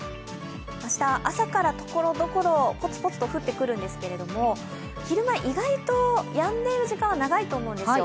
明日朝からところどころぽつぽつと降ってくるんですけど、昼間、意外とやんでいる時間は長いと思うんですよ。